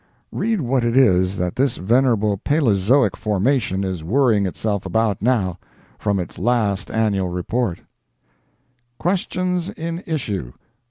Read what it is that this venerable Palezoic Formation is worrying itself about now—from its last annual report: "QUESTIONS IN ISSUE—1.